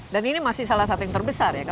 dan ini masih salah satu yang terbesar ya